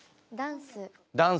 ダンス。